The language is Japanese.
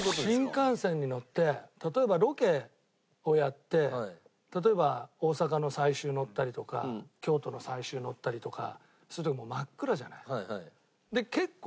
新幹線に乗って例えばロケをやって例えば大阪の最終乗ったりとか京都の最終乗ったりとかそういう時もう真っ暗じゃない。